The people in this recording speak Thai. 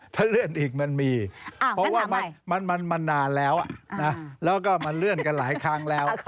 ถ้าเลื่อนอีกมันมีเพราะว่ามันนานแล้วแล้วก็มันเลื่อนกันหลายครั้งแล้ว